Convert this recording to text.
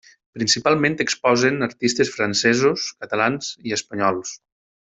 Principalment exposen artistes francesos, catalans i espanyols.